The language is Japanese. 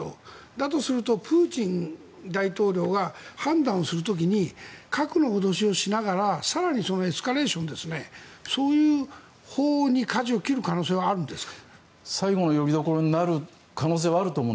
だとすると、プーチン大統領は判断をする時に格の脅しをしながら更にエスカレーションそういうほうにかじを切る可能性はあるんですか？